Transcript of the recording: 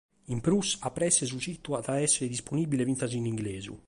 In prus, a presse su situ at a èssere disponìbile finas in inglesu.